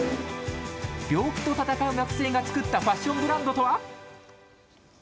病気と闘う学生が作ったファッションブランドとは。